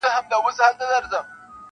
نن مي له زلمیو په دې خپلو غوږو واورېده-